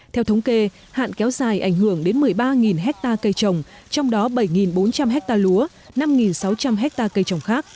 theo thống kê hạn kéo dài ảnh hưởng đến một mươi ba hectare cây trồng trong đó bảy bốn trăm linh hectare lúa năm sáu trăm linh hectare cây trồng khác